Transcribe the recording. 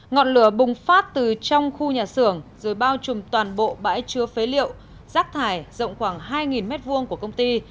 ngọn lửa bùng phát từ trong khu nhà xưởng rồi bao trùm toàn bộ bãi chứa phế liệu rác thải rộng khoảng hai m hai của công ty